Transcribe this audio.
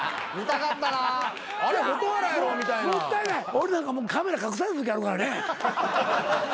俺なんかカメラ隠されるときあるからね。